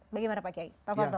bagaimana pak kiai